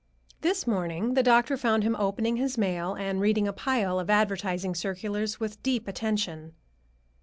This morning the doctor found him opening his mail and reading a pile of advertising circulars with deep attention.